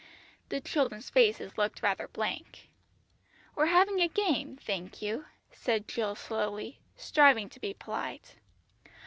The children's faces looked rather blank. "We're having a game, thank you," said Jill slowly, striving to be polite.